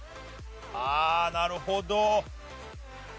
ああなるほど。